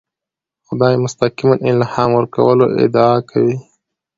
خدای مستقیماً الهام ورکولو ادعا کوي.